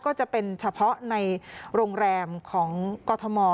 ก็จะเป็นเฉพาะในโรงแรมของกรทม